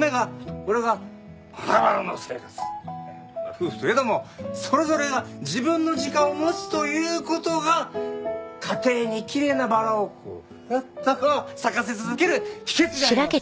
夫婦といえどもそれぞれが自分の時間を持つという事が家庭にきれいな薔薇をフワッとこう咲かせ続ける秘訣であります。